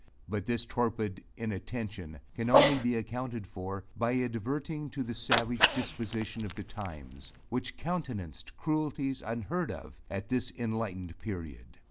But this torpid inattention can only be accounted for, by adverting to the savage disposition of the times, which countenanced cruelties unheard of at this enlightened period.